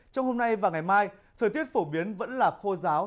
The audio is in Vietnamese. trong hôm nay và ngày mai thời tiết phổ biến vẫn là khô giáo